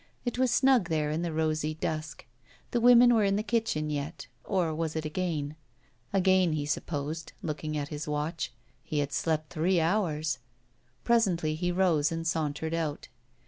It was snug there in the rosied dusk. The women were in the kitchen yet, or was it again ? Again, he supposed, looking at his watch. He had slept three hoinrs. Presently he rose and sauntered out.